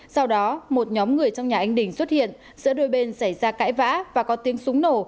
sau đó một nhóm người trong nhà anh đình xuất hiện giữa đôi bên xảy ra cãi vã và có tiếng súng nổ